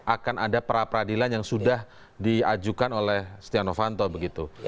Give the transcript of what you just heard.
akan ada peradilan yang sudah diajukan oleh stiano vanto begitu